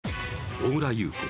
小倉優子